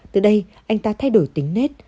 từ đây anh ta thay đổi tính nết